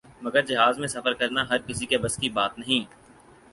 مگر جہاز میں سفر کرنا ہر کسی کے بس کی بات نہیں ہے ۔